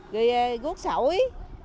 người gút sổi